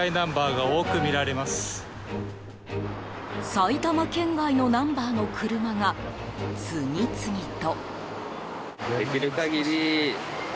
埼玉県外のナンバーの車が次々と。